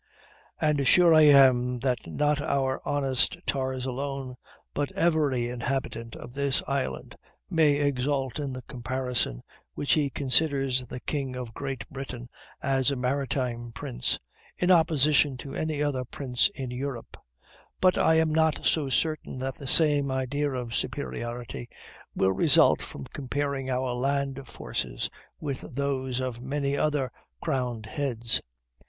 And sure I am that not our honest tars alone, but every inhabitant of this island, may exult in the comparison, when he considers the king of Great Britain as a maritime prince, in opposition to any other prince in Europe; but I am not so certain that the same idea of superiority will result from comparing our land forces with those of many other crowned heads.